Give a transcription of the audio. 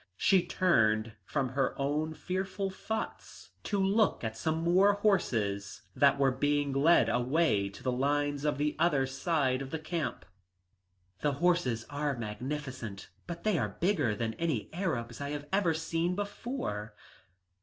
She turned from her own fearful thoughts to look at some more horses that were being led away to the lines on the other side of the camp. "The horses are magnificent, but they are bigger than any Arabs I have seen before."